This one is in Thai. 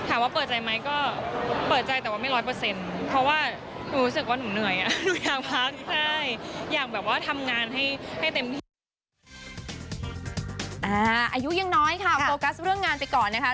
อายุยังน้อยค่ะโฟกัสเรื่องงานไปก่อนนะคะ